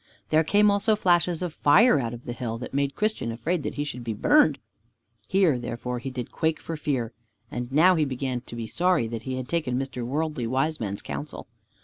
There came also flashes of fire out of the hill, that made Christian afraid that he should be burned. Here therefore he did quake for fear. And now he began to be sorry that he had taken Mr. Worldly Wiseman's counsel.